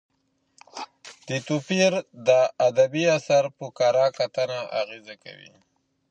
دې توپیر د ادبي اثر په کره کتنه اغېز کوي.